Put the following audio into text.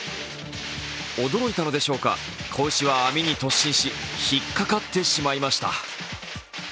驚いたのでしょうか、子牛は網に突進し引っかかってしまいました。